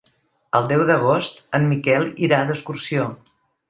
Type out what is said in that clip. El deu d'agost en Miquel irà d'excursió.